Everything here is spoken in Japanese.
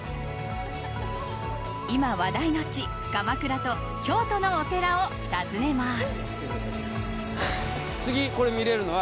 今話題の地、鎌倉と京都のお寺を訪ねます。